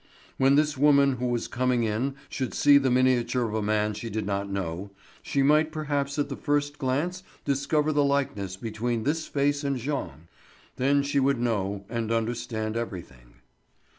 When this woman who was coming in should see the miniature of a man she did not know, she might perhaps at the first glance discover the likeness between this face and Jean. Then she would know and understand everything.